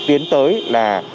tuyến tới là